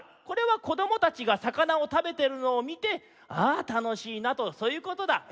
これはこどもたちがさかなをたべてるのをみてああたのしいなとそういうことだ」。